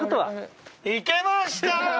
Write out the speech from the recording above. いけました！